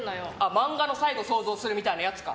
漫画の最後想像するみたいなやつか。